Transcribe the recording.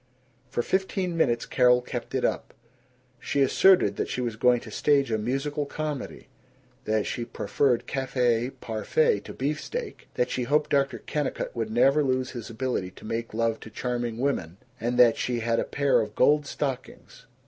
For fifteen minutes Carol kept it up. She asserted that she was going to stage a musical comedy, that she preferred cafe parfait to beefsteak, that she hoped Dr. Kennicott would never lose his ability to make love to charming women, and that she had a pair of gold stockings.